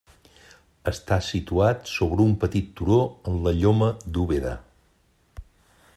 Està situat sobre un petit turó en la lloma d'Úbeda.